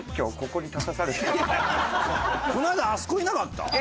この間あそこいなかった？